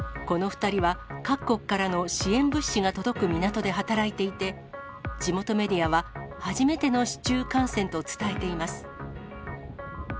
この２人は各国からの支援物資が届く港で働いていて、地元メディアは、初めての市中感染と伝えています。